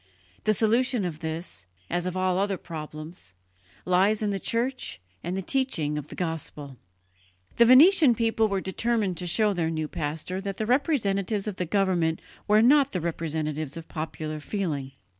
The solution of this, as of all other problems, lies in the Church and the teaching of the Gospel." The Venetian people were determined to show their new pastor that the representatives of the government were not the representatives of popular feeling.